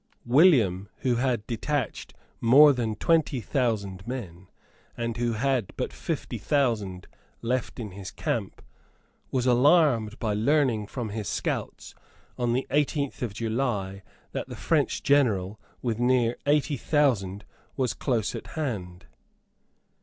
William, who had detached more than twenty thousand men, and who had but fifty thousand left in his camp, was alarmed by learning from his scouts, on the eighteenth of July, that the French General, with near eighty thousand, was close at hand.